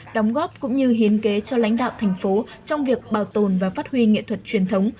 đóng góp cũng như hiến kế cho lãnh đạo thành phố trong việc bảo tồn và phát huy nghệ thuật truyền thống